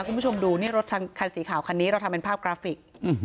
คุณผู้ชมดูนี่รถคันสีขาวคันนี้เราทำเป็นภาพกราฟิก